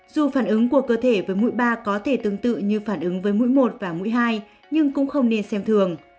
dù phản ứng của cơ thể với mũi ba có thể tương tự như phản ứng với mũi một và mũi hai nhưng cũng không nên xem thường